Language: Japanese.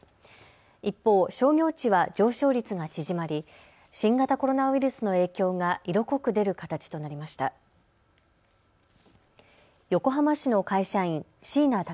一方、商業地は上昇率が縮まり新型コロナウイルスの影響が色濃く出る形となりました。